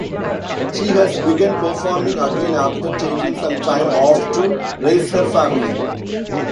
She has begun performing again after taking some time off to raise her family.